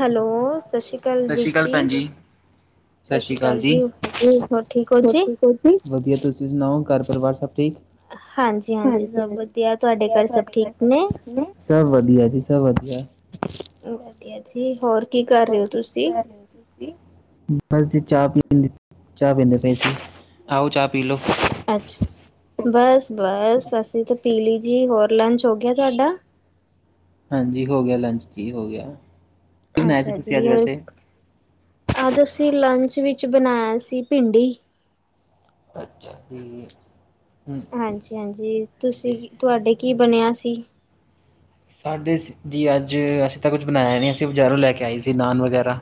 Hello. ਸਤਿ ਸ਼੍ਰੀ ਅਕਾਲ [unintelligible] ਵੀਰ ਤੁਸੀਂ ਜੀ, ਸਤਿ ਸ਼੍ਰੀ ਅਕਾਲ ਜੀ। ਹੋਰ ਠੀਕ ਹੋ ਜੀ? ਸੁਣਾਓ ਘਰ ਪਰਿਵਾਰ ਸਭ। [inaudible] ਠੀਕ ਹਾਂਜੀ-ਹਾਂਜੀ ਸਭ ਵਧੀਆ, ਤੁਹਾਡੇ ਘਰ ਸਭ ਠੀਕ ਨੇ? ਹੈ। ਵਧੀਆ ਜੀ ਹੋਰ। ਕੀ ਕਰ ਰਹੇ ਹੋ ਤੁਸੀਂ। ਬਸ ਜ ਚਾਹ ਪੀ ਚਾਹ ਪੀਂਦੇ ਪਏ ਆਓ ਚਾਹ ਪੀ ਲਓ। ਅੱਛਾ ਬਸ-ਬਸ ਅਸੀਂ ਤਾਂ ਪੀਲੀ ਜੀ ਹੋਰ ਲੰਚ ਹੋ ਗਿਆ ਤੁਹਾਡਾ। ਹਾਂਜੀ ਹੋ ਗਿਆ ਲੰਚ ਜੀ ਹੋ ਗਿਆ। ਕੀ ਬਣਾਇਆ ਸੀ ਅੱਛਾ ਤੁਸੀਂ ਜੀ ਅੱਜ ਰ ਵੈਸੇ? ਅੱਜ ਅਸੀਂ ਲੰਚ ਵਿੱਚ। ਵਿੱਚ ਬਣਾਇਆ ਸੀ ਭਿੰਡੀ। ਅੱਛਾ ਜੀ। ਹਾਂਜੀ-ਹਾਂਜੀ ਤੁਸੀਂ ਕੀ ਤੁਹਾਡੇ। ਕੀ ਬਣਿਆ ਸੀ। ਸਾਡੇ ਜੀ ਅੱਜ ਅਸੀਂ ਤਾਂ ਕੁਝ ਬਣਾਇਆ ਨਹੀਂ ਅਸੀਂ ਬਜ਼ਾਰੋਂ ਲੈ ਕੇ ਆਈ ਸੀ ਨਾਨ ਵਗੈਰਾ।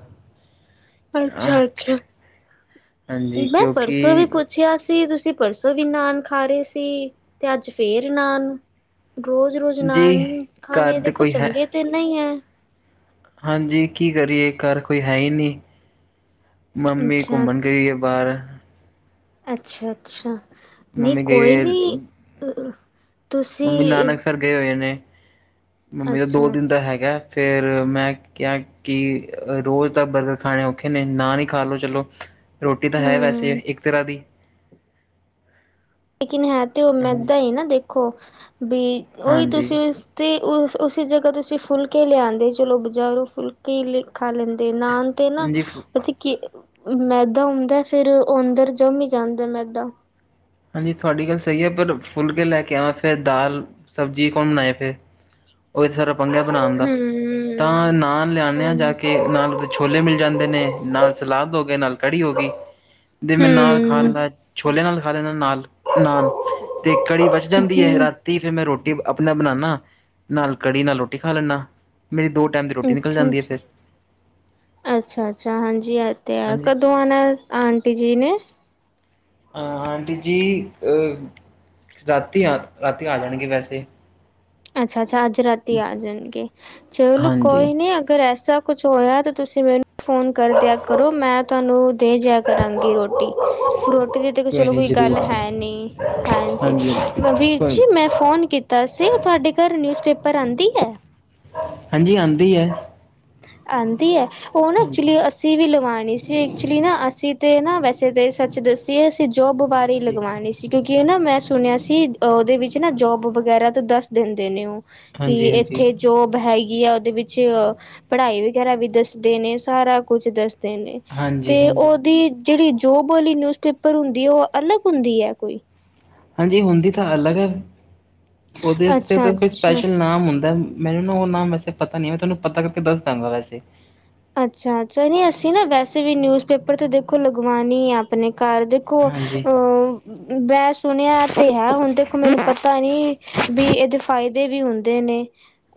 ਅੱਛਾ-ਅੱਛਾ ਹਾਂਜੀ ਮੈਂ ਕਿਉਂਕਿ ਪਰਸੋਂ ਵੀ ਪੁੱਛਿਆ ਸੀ ਤੁਸੀਂ। ਪਰਸੋਂ ਵੀ ਨਾਨ ਖਾ ਰਹੇ ਸੀ ਤੇ ਅੱਜ ਫੇਰ ਨਾਨ। ਰੋਜ਼-ਰੋਜ਼ ਜੀ ਨਾਨ ਘਰ ਖਾਣੇ ਦੇ ਦੇਖੋ ਕੋਈ ਹੈ ਚੰਗੇ ਤੇ ਨਹੀ ਹੈ। ਹਾਂਜੀ ਕੀ ਕਰੀਏ ਘਰ ਕੋਈ ਹੈ ਹੀ ਨਹੀਂ। ਮੰਮੀ ਅੱਛਾ-ਅੱਛਾ, ਘੁੰਮਣ ਗਈਏ ਬਾਹਰ। ਅੱਛਾ-ਅੱਛਾ। ਨਹੀਂ ਮੰਮੀ ਗਈ ਹੋਈ ਕੋਈ ਹੈ ਨੀ-ਅ-ਅ ਮੰਮੀ ਨਾਨਕਸਰ ਗਏ ਹੋਏ ਨੇ ਮੰਮੀ ਦਾ ਦੋ ਦਿਨ ਅੱਛਾ-ਅੱਛਾ ਦਾ ਹੈਗਾ ਫਿਰ ਮੈਂ ਕਿਹਾ ਕਿ ਰੋਜ਼ ਦਾ ਬਰਗਰ ਖਾਣੇ ਔਖੇ ਨੇ ਨਾ ਨਹੀਂ ਖਾ ਲਓ ਚਲੋ ਰੋਟੀ ਤਾਂ ਹੈ ਵੈਸੇ ਹੂੰ ਇੱਕ ਤਰ੍ਹਾਂ ਦੀ ਲੇਕਿਨ ਹੈਂ ਤੇ ਉਹ ਹਾਂਜੀ ਮੈਂਦਾ ਹੀ ਨਾ ਦੇਖ ਕੁਫ ਵੀ ਉਹੀ ਹਾਂਜੀ ਤੁਸੀਂ ਉਸ ਤੇ ਉਸ ਉਸੀ ਜਗ੍ਹਾ ਤੁਸੀਂ ਫੁਲਕੇ ਲਿਆਉਂਦੇ ਚਲੋ ਬਜ਼ਾਰੋਂ ਫੁਲਕੇ ਹੀ ਲ ਖਾ ਲੈਂਦੇ ਨਾਨ ਤੇ ਨਾ ਹਾਂਜੀ ਫ- ਪਤਾ ਕੀ ਮੈਦਾ ਹੁੰਦਾ ਫਿਰ ਓ ਅੰਦਰ ਜਮ ਹੀ ਜਾਂਦਾ ਮੈਦਾ ਹਾਂਜੀ ਤੁਹਾਡੀ ਗੱਲ ਸਹੀ ਹੈ ਪਰ ਫੁਲਕੇ ਲੈ ਕੇ ਆਵਾਂ ਫਿਰ ਦਾਲ ਸਬਜ਼ੀ ਕੌਣ ਬਣਾਏ ਫਿਰ ਉਹ ਸਾਰਾ ਪੰਗਾਂ ਬਣਾਉਣ ਦਾ ਤਾਂ ਹੂੰ ਨਾਨ ਲਿਆਦੇ ਹਾਂ ਜਾ ਹੂੰ ਕੇ ਨਾਲ ਉਹਦੇ ਛੋਲੇ ਮਿਲ ਜਾਂਦੇ ਨੇ ਨਾਲ ਸਲਾਦ ਹੋ ਗਏ ਨਾਲ ਕੜੀ ਹੋ ਗਈ ਤੇ ਮੈਂ ਨਾਲ ਖਾ ਹੂੰ ਲਾ ਛੋਲੇ ਨਾਲ ਖਾ ਲੈਂਦਾ ਨਾਲ ਨਾਨ ਤੇ ਕੜੀ ਬਚ ਜਾਂਦੀ ਹੈ ਰਾਤੀ ਫੇਿਰ ਮੈਂ ਰੋਟੀ ਆਪਣਾ ਬਣਾਉਣਾ ਨਾਲ ਕੜੀ ਨਾਲ ਰੋਟੀ ਖਾ ਲੈਣਾ ਮੇਰੀ ਦੋ ਟਾਈਮ ਦੀ ਰੋਟੀ ਨਿਕਲ ਜਾਂਦੀ ਏ ਫਿਰ ਅੱਛਾ-ਅੱਛਾ-ਅੱਛਾ-ਅੱਛਾ ਹਾਂਜੀ ਤੇ ਆ ਹਾਂਜੀ ਕਦੋਂ ਆਉਣਾ ਆਂਟੀ ਜੀ ਨੇ ਅ ਆਂਟੀ ਜੀ ਅ ਰਾਤੀ ਆ ਰਾਤੀ ਆ ਜਾਣਗੇ ਵੈਸੇ ਅੱਛਾ-ਅੱਛਾ ਅਜ ਰਾਤੀ ਆਜਾਣਗੇ ਚਲੋ ਹਾਂਜੀ ਕੋਈ ਨੀ ਅਗਰ ਐਸਾ ਕੁਛ ਹੋਇਆ ਤੇ ਤੁਸੀਂ ਮੈਨੂੰ ਫੋਨ ਕਰ ਦਿਆ ਕਰੋ ਮੈਂ ਤੁਹਾਨੂੰ ਦੇ ਜਿਆ ਕਰਾਂਗੀ ਰੋਟੀ-ਰੋਟੀ ਦੀ ਦੇਖੋ ਚਲੋ ਨੀ ਕੋਈ ਗੱਲ ਜ਼ਰੂਰ ਜੀ ਹੈ ਨਹੀਂ ਹਾਂਜੀ ਵੀਰ ਕੋਈ ਜੀ ਮੈਂ ਫੋਨ ਕੀਤਾ ਸੀ ਤੁਹਾਡੇ ਘਰ ਨਿਊਜ਼ਪੇਪਰ ਆਂਦੀ ਹੈ ਹਾਂਜੀ ਆਂਦੀ ਏ ਆਂਦੀ ਹੈ ਉਹ ਨਾ ਐਕਚੁਲੀ ਹਾਂਜੀ ਅਸੀਂ ਵੀ ਲਵਾਉਣੀ ਸੀ ਐਕਚੁਲੀ ਨਾ ਅਸੀਂ ਤੇ ਨਾ ਵੈਸੇ ਤੇ ਸੱਚ ਦੱਸੀਏ ਅਸੀਂ ਜੋਬ ਬਾਰੇ ਹਾਂਜੀ ਲਗਵਾਉਣੀ ਸੀ ਕਿਉਂਕਿ ਕਿ ਨਾ ਮੈਂ ਸੁਣਿਆ ਸੀ ਉਹਦੇ ਵਿੱਚ ਨਾ ਜੋਬ ਵਗੈਰਾ ਤੋਂ ਦੱਸ ਦਿੰਦੇ ਨੇ ਉਹ ਕਿ ਹਾਂਜੀ ਹਾਂਜੀ ਇੱਥੇ ਜੋਬ ਹੈਈ ਗੀ ਆ ਉਹਦੇ ਵਿੱਚ ਪੜ੍ਹਾਈ ਵਗੈਰਾ ਵੀ ਦੱਸਦੇ ਨੇ ਸਾਰਾ ਕੁਛ ਦੱਸ ਨੇ ਤੇ ਹਾਂਜੀ ਤੇ ਹਾਂਜੀ ਉਹਦੀ ਜਿਹੜੀ ਜੋਬ ਔਲੀ ਨਿਊਜ਼ਪੇਪਰ ਹੁੰਦੀ ਉਹ ਅਲੱਗ ਹੁੰਦੀ ਹੈ ਕੋਈ ਹਾਂਜੀ ਹੁੰਦੀ ਤਾਂ ਅਲੱਗ, ਉਹਦੇ ਤੇ ਅੱਛਾ ਤਾਂ ਕੋਈ ਅੱਛਾ ਸਪੈਸ਼ਲ ਨਾਮ ਹੂੰਦਾ ਮੈਨੂੰ ਨਾ ਉਹ ਨਾਮ ਵੈਸੇ ਪਤਾ ਨੀ ਮੈਂ ਤੁਹਾਨੂੰ ਪਤਾ ਕਰਕੇ ਦੱਸ ਦਾਂਗਾ ਵੈਸੇ, ਅੱਛਾ-ਅੱਛਾ, ਨਹੀਂ ਅਸੀਂ ਨਾ ਵੈਸੇ ਵੀ ਨਿਊਜ਼ਪੇਪਰ ਤੇ ਦੇਖੋ ਲਗਵਾਨੇ ਆ ਆਪਣੇ ਕਰ ਦੇਖੋ ਹਾਂਜੀ ਅ ਮੈਂ ਸੁਣਿਆ ਤੇ ਹੈ ਹੁਣ ਦੇਖੋ ਮੈਨੂੰ ਪਤਾ ਨੀ ਵੀ ਇਹਦੇ ਫਾਇਦੇ ਵੀ ਹੁੰਦੇ ਨੇ,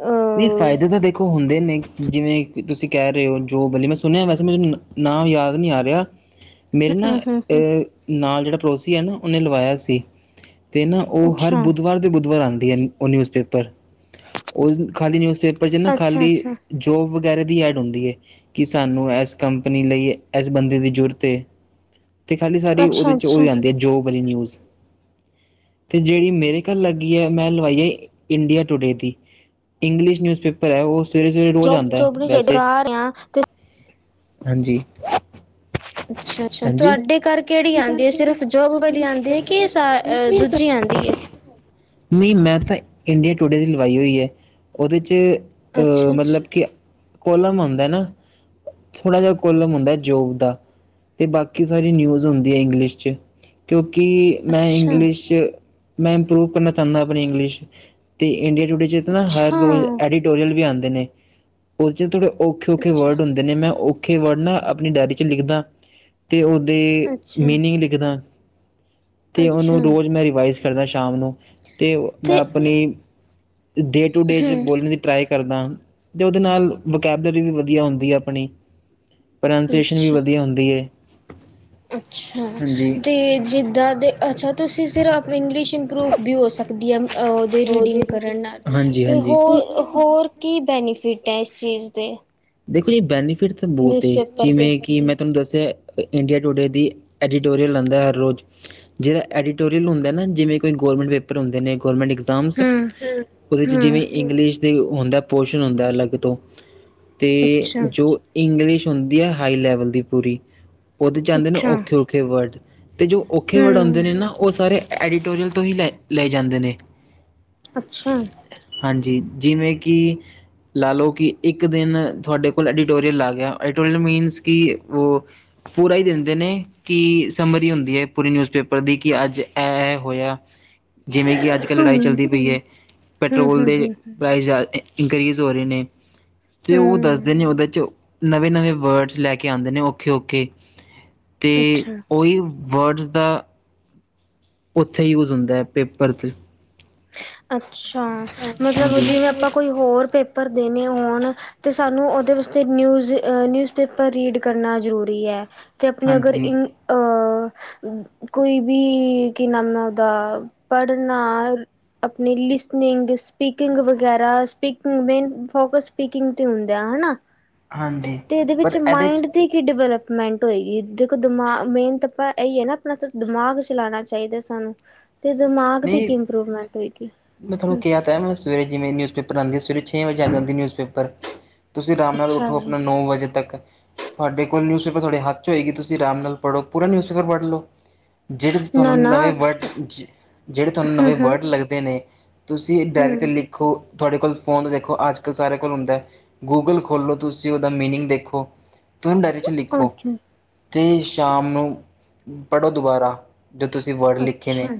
ਅ ਨਹੀਂ ਫ਼ਾਇਦੇ ਤਾਂ ਦੇਖੋ ਹੁੰਦੇ ਨੇ ਜਿਵੇਂ ਤੁਸੀਂ ਕਹਿ ਰਹੇ ਹੋ ਜੋ ਬਲੀ ਮੈਂ ਸੁਣਿਆ ਵੈਸੇ ਮੈਨੂੰ ਨਾਮ ਯਾਦ ਨਹੀਂ ਆ ਰਿਹਾ। ਮੇਰੇ ਨਾ ਹੂੰ-ਹੂੰ-ਹੂੰ ਅਹ ਨਾਲ ਜਿਹੜਾ, ਪੜੋਸੀ ਹੈ ਨਾ ਉਹਨੇ ਲਵਾਇਆ ਸੀ। ਤੇ ਨਾ ਉਹ ਹਰ ਅੱਛਾ ਬੁੱਧਵਾਰ ਦੇ ਬੁੱਧਵਾਰ ਆਦੇ। ਦੀ ਉਹ ਨਿਊਜ਼ ਪੇਪਰ ਉਹ, ਖਾਲੀ ਨਿਉਜ਼ ਪੇਪਰ ਚ ਨਾ ਖਾਲੀ ਅੱਛਾ-ਅੱਛਾ, ਜੋਬ ਵੈ ਦੀ ਐਡ ਹੁੰਦੀ ਹੈ ਕਿ ਸਾਨੂੰ ਇਸ ਕੰਪਨੀ ਲਈ ਇਸ ਬੰਦੇ ਦੀ ਜ਼ਰੂਰਤ ਏ। ਅਤੇ ਖਾਲੀ ਸਾਰੀ ਉਹਦੇ ਜੋ, ਅੱਛਾ-ਅੱਛਾ ਨਿਊਜ਼ ਤੇ ਜਿਹੜੀ ਮੇਰੇ ਘਰ ਲੱਗੀ ਹੈ ਮੈਂ ਲਵਾਈ ਹੈ ਇੰਡੀਆ ਟੂਡੇ ਦੀ ਇੰਗਲਿਸ਼ ਨਿਊਜ਼ਪੇਪਰ ਹੈ ਉਸ ਜੋਬ-ਜੋਬ ਨੀ ਚਾਹੀਦਾ ਆ ਰਿਹਾ ਤੇ ਹਾਂਜੀ, ਅੱਛਾ-ਅੱਛਾ, ਹਾਂਜੀ ਤੁਹਾਡੇ ਘਰ ਕਿਹੜੀ ਆਦੀ ਹੈ ਸਿਰਫ਼ ਜੋਬ ਵਾਲੀ ਆਦੀ ਹੈ ਕਿ ਦੂਜੀ ਆਦੀ ਐ। ਨਹੀਂ ਮੈਂ ਤਾਂ ਇੰਡੀਆ ਟੂਡੇ ਦੀ ਲਵਾਈ ਹੋਈ ਹੈ। ਉਹਦੇ 'ਚ ਅਹ ਮਤਲਬ ਅੱਛਾ-ਅੱਛਾ, ਕਿ ਕੋਲਾਮ ਥੋੜਾ ਜਿਹਾ ਕੋਲਮ ਹੁੰਦਾ ਜੋਬ ਦਾ ਤੇ ਬਾਕੀ ਸਾਰੀ ਨਿਊਜ ਹੁੰਦੀ ਹੈ ਇੰਗਲਿਸ਼ ਚ ਕਿਉ ਕਿ ਮੈਂ ਅੱਛਾ, ਇੰਗਲਿਸ਼ ਮੈਂ ਇੰਪਰੂਵ ਕਰਨਾ ਚਾਹੁੰਦਾ ਆਪਣੀ ਇੰਗਲਿਸ਼ ਤੇ ਇੰਡੀਆਡੇ ਨਾ ਹਰ ਅੱਛਾ, ਰੋਜ਼ ਐਡੀਟੋਰੀਅਲ ਵੀ ਆਦਾ। ਉਹ ਚ ਥੋੜੇੇ, ਔਖੇ-ਔਖੇ ਅੱਛਾ, ਵਰਡ ਹੁੰਦੇ ਨੇ ਮੈਂ ਔਖੇ ਵਰਡ ਨਾ ਆਪਣੀ ਡਾਇਰੀ ਚ ਲਿਖਦਾ। ਅਤੇ ਉਹਦੇ ਅੱਛਾ, ਮੀਨਿੰਗ ਲਿਖਦਾ। ਅੱਛਾ। ਤੇ ਉਹਨੂੰ ਅੱਛਾ ਰੋਜ਼ ਮੈਂ ਰਿਵਾਈਜ਼, ਕਰਦਾ ਸ਼ਾਮ ਨੂੰ ਤੇ ਮੈਂ ਆਪਣੀ ਡੇ ਟੂ ਡੇ ਹਮ ਬੋਲਣ ਦੀ ਟਰਾਈ ਕਰਦਾ ਅਤੇ ਉਹਦੇ ਨਾਲ ਵਕੈਬਲਰੀ ਵੀ ਵਧੀਆ ਹੁੰਦੀ ਹੈ, ਆਪਣੀ। ਪ੍ਰਨਾਸੀਏਸ਼ਨ ਵੀ ਅੱਛਾ ਵਧੀਆ ਹੁੰਦੀ ਹੈ। ਅੱਛਾ ਹਾਂਜੀ ਤੇ ਜਿੱਦਾਂ ਦੇ ਅੱਛਾ ਤੁਸੀਂ ਸਿਰਫ ਇੰਗਲਿਸ਼ ਪ੍ਰੂਫ ਵੀ ਹੋ ਸਕਦੀ ਹੈ। ਉਹਦੇ ਰੀਡਿੰਗ ਕਰਨ ਨਾਲ ਹਾਂਜੀ ਅਤੇ ਹਾਂਜੀ ਹੋਰ ਹੋਰ ਕੀ ਬੈਨੀਫਿਟ ਟੈ ਇਸ ਚੀਜ਼ ਦੇ, ਦੇਖੋ ਜੀ ਬੈਨੀ ਫਿਰ ਤਾਂ ਬਹੁਤ ਨਿਊਜ਼ਪੇਪਰ ਦੇ ਜਿਵੇਂ ਕਿ ਮੈਂ ਤੁਹਾਨੂੰ ਦੱਸ। ਅਤੇੇ ਇੰਡੀਆ ਟੂਡੇ ਦੀ ਐਡੀਟੋਰੀਅਲ ਆਦਾ ਹਰ ਰੋਜ਼ ਜਿਹੜਾ ਐਡੀਟੋਰੀਅਲ ਹੁੰਦਾ ਨਾ ਜਿਵੇਂ ਕੋਈ ਗੌਰਮੈਂਟ ਪੇਪਰ ਹੁੰਦੇ ਨੇ। ਗੌਰਮੈਂਟ ਐਗਜ਼ਾਮਸ ਹਮ ਉਹਦੇ ਵਿੱਚ ਹਮ ਜਿਵੇਂ ਇੰਗਲਿਸ਼ ਦੇ ਹੁੰਦਾ ਪੋਸ਼ਣ ਹੁੰਦਾ ਅਲੱਗ ਤੋਂ ਅਤੇ ਅੱਛਾ ਜੋ ਇੰਗਲਿਸ਼, ਹੁੰਦੀ ਹੈ ਹਾਈ ਲੈਵਲ ਦੀ ਪੂਰੀ, ਉਹਦੇ ਚ ਜਾਂਦੇ ਨੇ ਅੱਛਾ ਔਖੇ ਔਖੇ ਵਰਡ, ਤੇ ਜੋ ਔਖੇ ਵਰਡ ਆਦੇ ਹਮ ਨੇ ਨਾ ਉਹ ਸਾਰੇ, ਐਡੀਟੋਰੀਅਲ ਤੋਂ ਹੀ ਲੈ ਲਏ ਜਾਂਦੇ ਨੇ, ਅੱਛਾ ਹਾਂਜੀ ਜਿਵੇਂ ਕਿ ਲਾ ਲਓ ਕਿ ਇੱਕ ਦਿਨ ਤੁਹਾਡੇ ਕੋਲ ਐਡੀਟੋਰੀਅਲ ਆ ਗਿਆਡੀਟੋਰੀਅਲ ਮੀਨਸ ਕਿ ਉਹ ਪੂਰਾ ਹੀ ਦਿੰਦੇ ਨੇ ਕਿ ਸਮਰੀ ਹੁੰਦੀ ਹੈ ਪੂਰੀ ਨਿਊਜ਼ ਪੇਪਰ ਦੀ ਕਿ ਅੱਜ ਇਹ ਹੋਇਆ। ਜਿਵੇਂ ਕਿ ਅੱਜ ਕੱਲ੍ਹ ਲੜਾਈ ਹਮ ਚੱਲਦੀ ਪਈ ਹੈ ਹਮ ਪੈਟਰੋਲ ਦੇ ਹਮ ਹਮ ਪ੍ਰਾਈਸ, ਇੰਕਰੇਜ ਹੋ ਰਹੇ ਨੇ, ਤੇ ਉਹ ਹਮ ਦੱਸਦੇ ਨੇ ਉਹਦੇ ਚੋ- ਨਵੇਂ ਨਵੇਂ ਵਰਡਸ ਲੈ ਕੇ ਆਉਂਦੇ ਨੇ ਔਖੇ ਓਖੇ। ਤੇ ਅੱਛਾ ਉਹੀ ਵਰਡਜ਼ ਦਾ ਉੱਥੇ ਹੀ ਯੂਸ ਹੁੰਦਾ ਹੈ ਪੇਪਰ 'ਚ ਅੱ ਅੱਛਾ ਮਤਲਬ ਜਿਵੇਂ ਆਪਾਂ ਕੋਈ ਹੋਰ ਪੇਪਰ ਭਰ ਦੇਣੇ ਹੋਣ ਤੇ ਸਾਨੂੰ ਉਹਦੇ ਵਾਸਤੇ ਨਿਊਜ-ਨਿਊਜ, ਪੇਪਰ ਰੀਡ ਕਰਨਾ ਜ਼ਰੂਰੀ ਹੈ। ਅਤੇ ਆਪਣੀ ਅਗਰ ਹਾਂਜੀ, ਇ ਕੋਈ ਵੀ ਕੀ ਨਾਮ ਹੈ ਉਹਦਾ ਪੜ੍ਹਨਾ ਆਪਣੀ ਲਿਸਨਿੰਗ ਸਪੀਕਿੰਗ ਵਗੈਰਾ ਸਪੀਕਿੰਗ ਮੇਨ ਫੋਕਸ ਸਪੀਕਿੰਗ ਤੇ ਹੁੰਦਾ ਆਾ। ਹਾਂਜੀ। ਤੇ ਇਹਦੇ ਵਿੱਚ ਪਰ ਇਹਦੇ 'ਚ ਮਾਇੰਡ ਤੇ ਕੀ ਡਿਵੈਲਪ ਮੈਂਟ ਹੋਏਗੀ ਦੇਖੋ ਦਿਮਾਗ ਮੇਨ ਤਾਂ ਆਪਾਂ ਇਹੀ ਹੈ ਨਾ ਆਪਣਾ ਦਿਮਾਗ ਚਲਾਉਣਾ ਚਾਹੀਦਾ ਸਾਨੂੰ-' ਤੇ ਦਿਮਾਗ ਦੀ ਨਹੀਂ ਕੀ ਇੰਪਰੂਵਮੈਂਟ ਹੋਏਗੀ ਮੈਂ ਤੁਹਾਨੂੰ ਹਮ ਕਿਹਾ ਤਾਂ ਹੈ ਮੈਂ ਸਵੇਰੇ ਜਿਵੇਂ ਨਿਊਜ਼ਪੇਪਰ ਆਦੀ ਹੈ ਸਵੇਰੇ ਛੇ ਵਜੇ ਆ ਜਾਦੀਐ ਨਿਉਜ ਪੇਪਰ, ਪੇਪਰ ਤੁਸੀਂ ਆਰਾਮ ਨਾਲ ਅੱਛਾ ਉੱਠੋ ਜੀ, ਆਪਣਾ ਨੌ ਵਜੇ ਤੱਕ ਤੁਹਾਡੇ ਕੋਲ ਨਿਊਜ਼ ਤੁਹਾਡੇ ਹੱਥ ਚ ਹੋਏਗੀ ਤੁਸੀਂ ਆਰਾਮ ਨਾਲ ਪੜੋ ਪੂਰਾ ਨਿਊਜ਼ਪੇਪਰ ਪੜ੍ਹ ਲਓ। ਜਿਹੜੇ ਤੁਹਾਨੂੰ ਨਾ-ਨਾ ਨਵੇਂ ਵਰਡ- ਜਿਹੜੇ ਤੁਹਾਨ ਹੂੰ, ਨਵੇਂ ਵਰਡ ਲੱਗਦੇ ਨੇ, ਨੇ ਤੁਸੀਂ ਡਾਇਰੀ ਤੇ ਹੂੰ, ਲਿਖੋ। ਤੁਹਾਡੇ ਕੋਲ ਫੋਨ ਦੇਖੋ ਅੱਜ ਕੱਲ ਸਾਰਿਆਂ ਕੋਲ ਹੁੰਦਾ ਗੂਗਲ ਖੋਲ੍ਹੋ ਤੁਸੀਂ ਉਹਦਾ ਮੀਨਿੰਗ ਦੇਖੋ ਤੁਸੀਂ ਡਾਇਰੀ ਚ ਹੂੰ ਲਿਖੋ। ਅੱਛਾ। ਅਤੇ ਸ਼ਾਮ ਨੂੰ ਪੜ੍ਹੋ ਦੁਬਾਰਾ। ਜੋ ਤੁਸੀਂ ਵਰਡ ਲਿਖੇ ਨੇ, ਅੱਛਾ,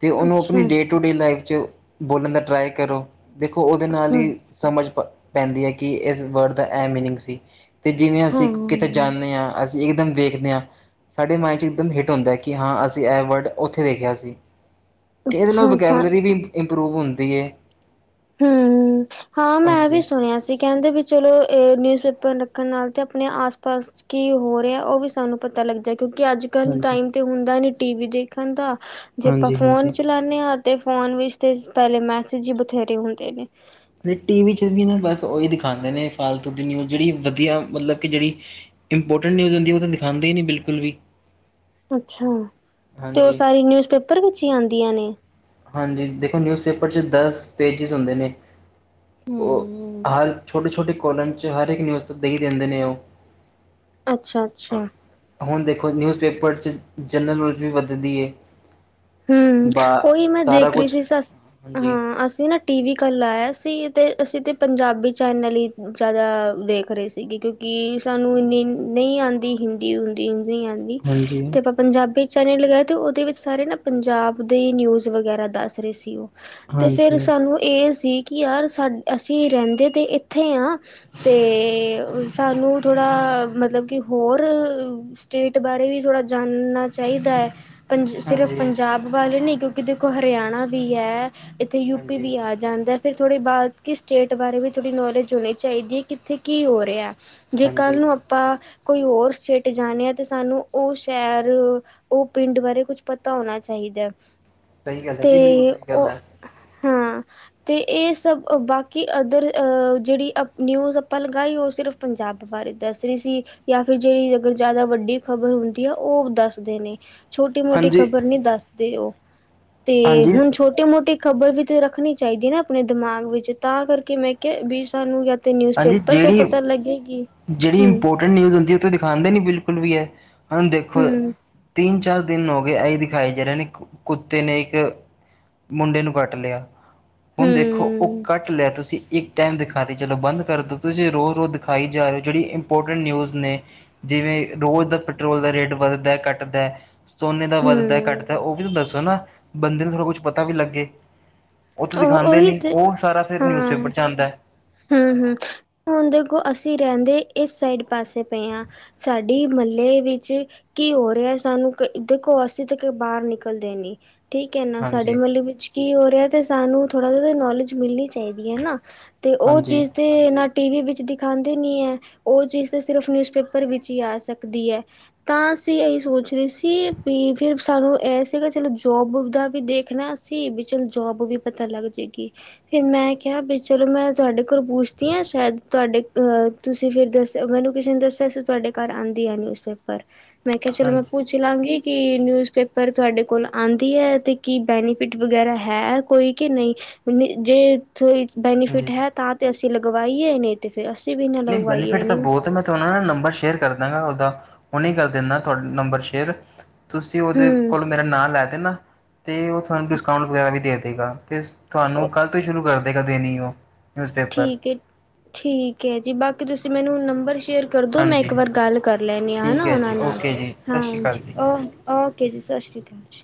ਤੇ ਉਹਨੂੰ ਅੱਛਾ ਆਪਣੀ ਡੇ ਟੂ ਡੇ, ਲਾਈਫ ਚ ਬੋਲਣ ਦਾ ਟਰਾਈ ਕਰੋ। ਦੇਖੋ ਉਹਦੇ ਨਾਲ ਹਾਂ, ਹੀ ਸਮਝ ਪ ਪੈਂਦੀ ਹੈ ਕਿ ਇਸ ਵਰਡ ਦਾ ਇਹ ਮੀਨਿੰਗ ਸੀ। ਤੇ ਜਿਵੇਂ ਅਸੀਂ ਹਾਂ। ਕਿਥ ਜਾਂਦੇ ਹਾਂ ਅ ਅਸੀਂ ਇੱਕਦਮ ਵੇਖਦੇ ਹਾਂ ਸਾਡੇ ਮਾਇੰਡ ਚ ਇਕਦਮ ਹਿੱਟ ਹੁੰਦਾ ਕਿ ਹਾਂ ਅਸੀਂ ਇਹ ਵਰਡ ਉੱਥੇ ਦੇਖਿਆ ਸੀ। ਇਹ ਇਹਦੇ ਨਾਲ ਅੱਛਾ-ਅੱਛਾ ਬਕੇਬਲਰੀ ਵੀ, ਇਪਰੂਵ ਹੁੰਦੀ ਹੈ। ਹੂੰ, ਹਾਂ ਮੈਂ ਵੀ ਹਾਂਜੀ ਸੁਣਿਆ ਸੀ ਕਹਿੰਦੇ ਵੀ, ਚਲੋ ਇਹ ਨਿਊਜ਼ ਪੇਪਰ ਰੱਖਣ ਨਾਲ ਤੇ ਆਪਣੇ ਆਸ ਪਾਸ ਕੀ ਹੋ ਰਿਹਾ ਉਹ ਵੀ ਸਾਨੂੰ ਪਤਾ ਲੱਗ ਜਾ। ਕਿਉਂਕਿ ਅੱਜ ਕੱਲ੍ਹ ਹਾਂਜੀ ਟਾਈਮ 'ਤੇ ਹੁੰਦਾ ਨੀ। ਟੀ ਵੀ ਦੇਖਣ ਦਾ। ਜੇ ਆਪਾਂ ਹਾਂਜੀ ਫੋਨ ਹਾਂਜੀ ਚਲਾਨੇ ਆ। ਤੇ ਫੋਨ ਵਿੱਚ ਤੇ ਪਹਿਲੇ ਮੈਸੇਜ, ਬਥੇਰੇ ਹੁੰਦੇ ਨੇ, ਅਤੇ ਟੀ ਵੀ ਚ ਵੀ ਨਾ ਬਸ ਉਹੀ ਦਿਖਦੇ, ਨੇ ਫਾਲਤੂ ਦੀ ਨਿਊਜ਼ ਜਿਹੜੀ ਵਧੀਆ ਮਤਲਬ ਕਿ ਜਿਹੜੀ ਇੰਪੋਰਟੈਂਟ ਨਿਊਜ਼ ਹੁੰਦੀ ਉਹ ਤਾਂ ਦਿਖਾਦੇ ਹੀ ਨਹੀਂ ਬਿਲਕੁਲ ਵੀ। ਅੱਛਾ, ਤੇ ਉਹ ਹਾਂਜੀ ਸਾਰੀ ਨਿਊਜ਼ਪੇਪਰ ਵਿੱਚ ਹੀ ਆਦੀਆਂ ਨੇ, ਹਾਂਜੀ ਦੇਖੋ ਨਿਊਜ਼ ਪੇਪਰ ਚ ਦਸ ਪੇਜਿਸ ਹੁੰਦੇ ਨੇ ਉਹ ਹੂੰ। ਹਰ ਛੋਟੇ-ਛੋਟੇ ਕੋਲਨ ਹਰ ਇੱਕ ਨਿਊਜ਼ ਦੇਈ ਦਿੰਦੇ ਨੇ ਉਹ ਅੱਛਾ ਅੱਛਾ, ਹੁਣ ਦੇਖੋ ਨਿਊਜ਼ਪੇਪਰ 'ਚ ਜਨਰਲ ਨੌਜ ਵੀ ਵੱਧਦੀ ਹੈ। ਹੂੰ, ਬ ਉਹੀ ਮੈਂ ਦੇਖ ਰਹੀ ਸੀ ਹਾਂ ਅਸੀਂ ਨਾ ਟੀ ਵੀ ਕੱਲ ਲਾਇਆ ਸੀ। ਅਤੇ ਅਸੀਂ ਤਾਂ ਪੰਜਾਬੀ ਚੈਨਲ ਹੀ ਜ਼ਿਆਦਾ ਦੇਖ ਰਹੇ ਸੀਗੇ ਕਿਉਂਕਿ ਸਾਨੂੰ ਇੰਨੀ ਨਹੀਂ ਆਉਂਦੀ ਹਿੰਦੀ ਹੁੰਦੀ। ਆਦੀ ਹਾਂਜੀ, ਤੇ ਆਪਾਂ ਪੰਜਾਬੀ, ਚੈਨ ਲਗਾਏ ਅਤੇ ਉਹਦੇ ਵਿੱਚ ਸਾਰੇ ਨਾ, ਪੰਜਾਬ ਦੇ ਨਿਊਜ਼ ਵਗੈਰਾ ਦੱਸ ਰਹੇ ਸੀ ਉਹ, ਤੇ ਫੇਰ ਹਾਂਜੀ। ਸਾਨੂੰ ਇਹ ਸੀ। ਕਿ ਯਾਰ ਸਾਡ ਅਸੀਂ ਰਹਿੰਦੇ ਤਾਂ ਇੱਥੇ ਹਾਂ ਅਤੇ ਸਾਨੂੰ ਥੋੜ੍ਹਾ ਮਤਲਬ ਕਿ ਹੋਰ ਸਟੇਟ ਬਾਰੇ ਵੀ ਥੋੜ੍ਹਾ ਜਾਣਨਾ। ਚਾਹੀਦਾ ਹੈ ਪੰਜ ਸਿਰਫ਼ ਹਾਂਜੀ, ਪੰਜਾਬ ਵੱਲ ਨ ਕਿਉਂਕਿ ਕਿ ਦੇਖੋ ਹਰਿਆਣਾ ਵੀ ਹੈ। ਇੱਥੇ ਯੂਪੀ ਹਾਂਜੀ, ਵੀ ਆ ਜਾਂਦਾ। ਫਿਰ ਥੋੜ੍ਹੀ ਬਾਅਦ ਕਿ ਸਟੇਟ ਬਾਰੇ ਵੀ ਥੋੜ੍ਹੀ ਨੌਲੇਜ ਹੋਣੀ ਚਾਹੀਦੀ ਹੈ ਕਿੱਥੇ ਕੀ ਹੋ ਰਿਹਾ। ਜੇ ਕੱਲ੍ਹ ਹਾਂਜੀ ਨੂੰ ਆਪਾਂ, ਕੋਈ ਹੋਰ ਸਟੇਟ ਜਾਣੇ ਆ ਤੇ ਸਾਨੂੰ ਉਹ ਸ਼ਹਿਰ ਉਹ ਪਿੰਡ ਬਾਰੇ ਕੁਛ ਪਤਾ। ਤਾਂ ਹੋਣਾ ਚਾਹੀਦਾ ਹੈ। ਸਹੀ ਗੱਲ ਹੈ ਜੀ ਬਿਲਕੁਲ ਤੇ ਸਹੀ ਗੱਲ ਉਹ ਹੈ। ਹਾਂ, ਤੇ ਇਹ ਸਬ ਬਾਕੀ ਅਦਰ ਜਿਹੜੀ ਨਿਊਜ ਆਪਾਂ ਲਗਾਈ ਉਹ ਸਿਰਫ ਪੰਜਾਬ ਬਾਰੇ ਦੱਸ ਰਹੀ ਸੀ ਫਿਰ ਜਿੜੀ ਅ ਜ਼ਿਆਦਾ ਵੱਡੀ ਖ਼ਬਰ ਹੁੰਦੀ ਆ ਉਹ ਦੱਸਦੇ ਨੇ। ਛੋਟੀ ਮੋਟੀ ਹਾਂਜੀ, ਖ਼ਬਰ ਨਹੀਂ ਦੱਸਦੇ ਉਹ ਤੇ ਹਾਂਜੀ, ਹੁਣ ਛੋਟੇ ਮੋਟੇ, ਖਬਰ ਵੀ ਤੇ ਰੱਖਣੀ ਚਾਹੀਦੀ ਹੈ ਨਾ ਆਪਣੇ ਦਿਮਾਗ ਵਿੱਚ ਤਾਂ ਕਰਕੇ ਮੈਂ ਕਿਹਾ ਵੀ ਸਾਨੂੰ ਤੇ ਨਿਊਜ਼ ਹਾਂਜੀ ਪੇਪਰ ਤੋਂ ਜਿਹੜੀ ਪਤਾ ਲੱਗੇਗੀ। ਜਿਹੜੀ ਹਮ ਇੰਪੋਰਟੈਂਟ ਨਿਊਜ਼ ਹੁੰਦੀ ਉਹ ਤਾਂ ਦਿਖਾਦੇ ਨੀ ਬਿਲਕੁਲ ਵੀ ਹੈ। ਹੁਣ ਦੇਖੋ ਹਮ ਤਿੰਨ, ਚਾਰ ਦਿਨ ਹੋ ਗਏ ਇਹੀ ਦਿਖਾਈ ਦੇ ਰਹੇ ਨੇ ਕੁੱਤੇ ਨੇ ਇੱਕ ਮੁੰਡੇ ਨੂੰ ਕੱਟ ਲਿਆ। ਹੁਣ ਦੇਖੋ ਉਹ ਹਮ ਕੱਟ ਲੈ ਤੁਸੀਂ ਇੱਕ, ਟਾਈਮ ਦਿਖਾ ਕੇ ਚਲੋ ਬੰਦ ਕਰਦੋ ਤੁਸੀਂ ਰੋਜ਼ ਰੋਜ਼ ਦਿਖਾਈ। ਜਾ ਰਹੇ ਜਿਹੜੀ ਇੰਪੋਰਟੈਂਟ ਨਿਊਜ਼ ਨੇ ਜਿਵੇਂ ਰੋਜ਼ ਦਾ ਪੈਟਰੋਲ ਦਾ ਰੇਟ ਵੱਧਦਾ ਘੱਟਦਾ। ਸੋਨੇ ਦਾ ਵੱਧਦਾ ਘਟਦਾ ਹਮ ਉਹ ਵੀ ਤੇ ਦੱਸੋ ਨਾ। ਬੰਦੇ ਨੂੰ ਥੋੜ੍ਹਾ ਕੁਛ ਪਤਾ ਵੀ ਲੱਗੇ। ਉਹ ਤੇ ਦਿਖਾਉਂਦੇ ਨੀ, ਉਹ ਸਾਰਾ ਫਿਰ ਨਿਊਜ਼ਪੇਪਰ ਚ ਆਉਂਦਾ। ਹੂੰ, ਹੂੰ ਸ ਹੁਣ ਦੇਖੋ ਅਸੀਂ ਰਹਿੰਦੇ ਇਸ ਸਾਈਡ ਪਾਸੇ ਪਏ ਹਾਂ। ਸਾਡੀ ਮਹੱਲੇ ਵਿੱਚ ਕੀ ਹੋ ਰਿਹਾ, ਸਾਨੂੰ ਕ ਦੇਖੋ ਅਸੀਂ ਤੇ ਬਾਹਰ ਨਿਕਲਦੇ ਨੀ। ਠੀਕ ਹੈ ਨਾ, ਸਾਡੇ ਹਾਂਜੀ ਮਹੱਲੇ ਵਿੱਚ ਕੀ ਹੋ ਰਿਹਾ ਤੇ ਸਾਨੂੰ ਥੋੜਾ ਜਿਹੀ ਤੇ ਨੌਲੇਜ ਮਿਲਣੀ ਚਾਹੀਦੀ ਏ ਨਾਂ ਤੇ ਤੇ ਉਹ ਹਾਂਜੀ ਚੀਜ਼ ਤੇ ਨਾ ਟੀ ਵੀ ਵਿੱਚ ਦਿਖਾਂਦੇ ਨਹੀਂ ਹੈ, ਉਹ ਚੀਜ਼ ਤਾਂ ਸਿਰਫ ਨਿਊਜ਼ਪੇਪਰ ਵਿੱਚ ਹੀ ਆ ਸਕਦੀ ਹੈ। ਤਾਂ ਅਸੀਂ ਇਹੀ ਸੋਚ ਰਹੇ ਸੀ, ਵੀ ਫਿਰ ਸਾਨੂੰ ਇਹ ਸਿਗਾ ਚਲੋ ਜੋਬ ਦਾ ਵੀ ਦੇਖਣਾ ਅਸੀਂ ਕਿ ਚਲੋ ਜੋਬ ਵੀ ਪਤਾ ਲੱਗ ਜੇਗੀ। ਫਿਰ ਮੈਂ ਕਿਹਾ ਵੀ ਚਲੋ ਮੈਂ ਤੁਹਾਡੇ ਕੋਲ ਪੁੱਛਦੀ ਹਾਂ ਸ਼ਾਇਦ ਤੁਹਾਡੇ ਅਹ ਤੁਸੀਂ ਫਿਰ ਦੱਸ ਮੈਨੂੰ ਕਿਸੇ ਨੇ ਦੱਸਿਆ ਸੀ ਤੁਹਾਡੇ ਘਰ ਆਂਦੀ ਐ ਨਿਊਜ਼ਪੇਪਰ। ਮੈਂ ਕਿਹਾ ਚਲੋ ਹਾਂਜੀ ਮੈਂ ਪੁੱਛ ਲਾਂਗੀ। ਕਿ ਨਿਊਜ਼ਪੇਪਰ ਤੁਹਾਡੇ ਕੋਲ ਆਂਦੀ ਹੈ। ਤੇ ਕੀ ਬੈਨੀਫਿਟ ਵਗੈਰਾ ਹੈ ਕੋਈ ਕਿ ਨਹੀਂ ਜੇ । ਕੋਈ ਬੇਨੀਫਿਟ ਹਾਂਜੀ ਹੈ? ਤੇ ਅਸੀਂ ਲਗਵਾਈਏ ਨਹੀਂ ਤੇ। ਫਿਰ ਅਸੀਂ ਵੀ ਨਾ ਨਹੀਂ ਲਗਵਾਈਏ ਬੈਨੀਫਿਟ ਤਾਂ ਨਹੀਂ ਬਹੁਤ ਏ, ਮੈਂ ਤਾਂ ਉਹਨਾਂ ਨਾ ਨੰਬਰ ਸ਼ੇਅਰ ਕਰ ਦਾਂਗਾ ਉਹਦਾ। ਹੁਣੇ ਕਰ ਦਿੰਨਾਂ ਤੁਹਾਨੂੰ ਨੰਬਰ ਸ਼ੇਅਰ। ਤੁਸੀਂ ਉਹਦੇ ਕੋਲ ਹਮ ਮੇਰਾ ਨਾਂ ਲੈ ਹੈਨਾ, ਤੇ ਉਹ ਤੁਹਾਨੂੰ ਡਿਸਕਾਊਂਟ ਵਗੈਰਾ ਵੀ ਦੇ ਦੇਗਾ ਤੇ ਸ ਤੁਹਾਨੂੰ ਕੱਲ੍ਹ ਤੋਂ ਹੀ ਸ਼ੁਰੂ ਕਰ ਦੇਖਦੇ ਨਹੀਂ ਉਹ। ਨਿਊਜ਼ਪੇਪਰ ਠੀਕ ਹੈ, ਠੀਕ ਹੈ ਜੀ ਬਾਕੀ ਕਿ ਤੁਸੀਂ ਮੈਨੂੰ ਨੰਬਰ ਸ਼ ਸ਼ੇਅਰ ਕਰਦਉ ਮੈਂ ਹਾਂਜੀ ਇੱਕ ਵਾਰ ਹਾਂਜੀ ਗੱਲ ਕਰ ਲੈਂਨੀ ਹਾਂ, ਠੀਕ ਹੈਨਾ ਹੈ ਉਹਨਾਂ ਜੀ ਨਾਲ ਓਕੇ ਜੀ ਸਤਿ ਸ਼੍ਰੀ ਅਕਾਲ ਹਾਂਜੀ, ਜੀ ਓਕੇ ਜੀ ਸਤਿ ਸ਼੍ਰੀ ਅਕਾਲ ਜੀ।